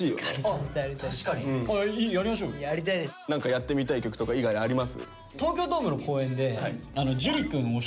何かやってみたい曲とか猪狩あります？